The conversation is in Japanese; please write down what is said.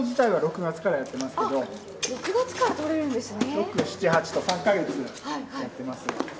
６月からとれるんですね。